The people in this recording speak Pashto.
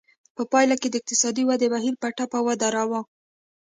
په پایله کې د اقتصادي ودې بهیر په ټپه ودراوه.